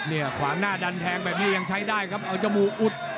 ขวางหน้าดันแทงแบบนี้ยังใช้ได้ครับเอาจมูกอุด